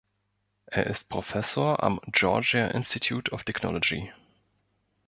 Er ist Professor am Georgia Institute of Technology.